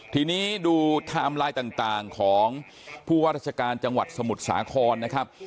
ทีนี้ดูไทม์ไลน์ต่างของผู้ว่าราชการจังหวัดสมุทรสาครนะครับ